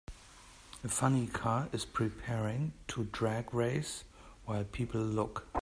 A funny car is preparing to drag race while people look.